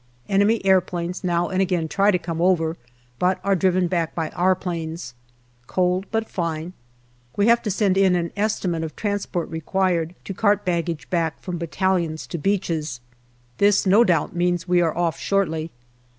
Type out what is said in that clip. Enemy aeroplanes now and again try to come over, but are driven back by our planes. Cold but fine. We have to send in an estimate of transport required to cart baggage back from battalions to beaches. This no 308 GALLIPOLI DIARY doubt means we are off shortly.